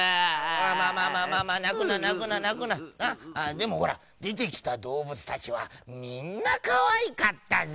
でもほらでてきたどうぶつたちはみんなかわいかったぞ」。